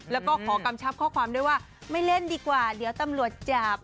แล้วก็ขอกำชับข้อความด้วยว่าไม่เล่นดีกว่าเดี๋ยวตำรวจจับ